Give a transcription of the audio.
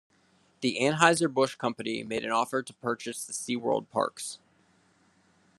The Anheuser-Busch Company made an offer to purchase the SeaWorld parks.